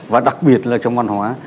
và đặc biệt là trong văn hóa